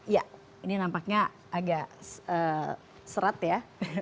ya ini nampaknya agak serat ya